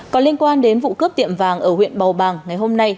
còn liên quan đến vụ cướp tiệm vàng ở huyện bầu bàng ngày hôm nay